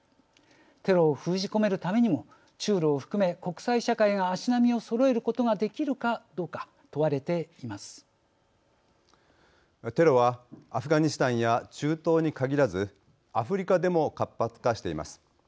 テロを封じ込めるためにも中ロを含め国際社会が足並みをそろえることができるかどうかがテロは、アフガニスタンや中東に限らずアフリカでも活発化しています。